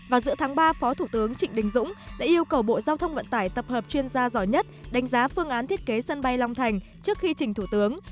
vào giữa tháng ba phó thủ tướng trịnh đình dũng đã yêu cầu bộ giao thông vận tải tập hợp chuyên gia giỏi nhất đánh giá phương án thiết kế sân bay long thành trước khi trình thủ tướng